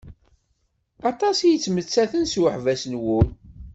Aṭas i yettmettaten s uḥbas n wul.